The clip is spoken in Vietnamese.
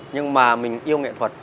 nhưng mà mình yêu nghệ thuật